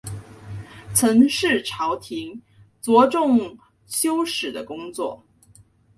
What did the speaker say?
陈氏朝廷着重修史的工作。